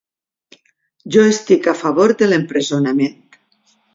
Jo estic a favor de l'empresonament.